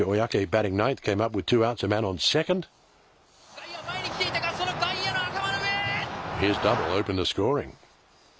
外野は前に来ていたが、その外野の頭の上。